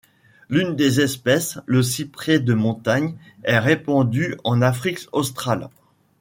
L'une des espèces, le cyprès de montagne, est répandue en Afrique australe.